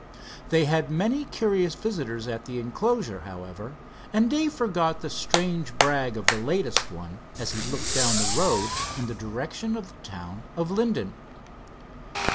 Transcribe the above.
They had many curious visitors at the enclosure, however, and Dave forgot the strange brag of the latest one, as he looked down the road in the direction of the town of Linden.